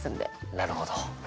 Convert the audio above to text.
なるほど。